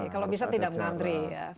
kalau bisa tidak mengantri ya